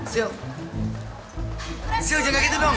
sisil jangan gitu dong